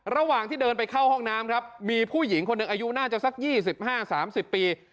ระหว่างที่เดินไปเข้าห้องน้ำครับมีผู้หญิงคนหนึ่งอายุน่าจะสัก๒๕๓๐ปี